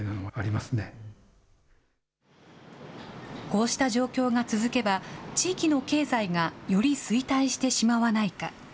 こうした状況が続けば、地域の経済がより衰退してしまわないか。